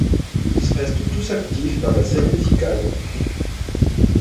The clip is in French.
Ils restent tous actifs dans la scène musicale.